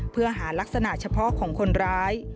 เพื่อหารักษณะเฉพาะของคนร้าย